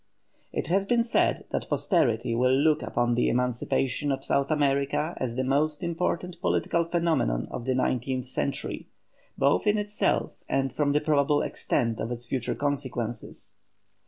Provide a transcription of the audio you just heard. It has been said that posterity will look upon the emancipation of South America as the most important political phenomenon of the nineteenth century, both in itself and from the probable extent of its future consequences.